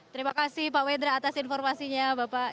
terima kasih pak wendra atas informasinya bapak